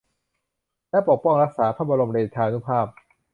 และปกป้องรักษาพระบรมเดชานุภาพ